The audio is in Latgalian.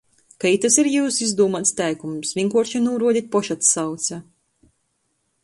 Ka itys ir jiusu izdūmuots teikums, vīnkuorši nūruodit “Pošatsauce”.